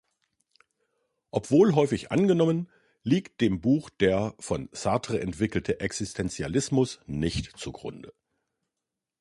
Obwohl häufig angenommen, liegt dem Buch der von Sartre entwickelte Existentialismus nicht zugrunde.